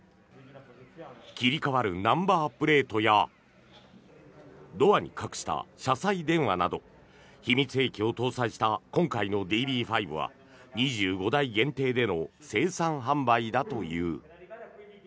切り替わるナンバープレートやドアに隠した車載電話など秘密兵器を搭載した今回のＤＢ５は２５台限定での生産販売だという。